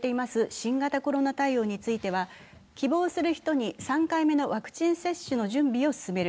新型コロナ対応としては希望する人に３回目のワクチン接種の準備を進める。